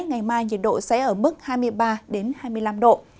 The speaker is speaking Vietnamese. ngày mai nhiệt độ sẽ ở mức hai mươi ba hai mươi năm độ